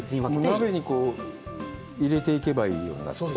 お鍋に入れていけばいいようになってるの？